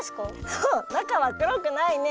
そうなかはくろくないね。